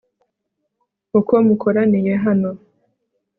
uko mukoraniye hano